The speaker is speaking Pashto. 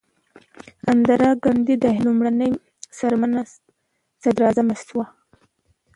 اندرا ګاندي د هند لومړۍ میرمن صدراعظم شوه.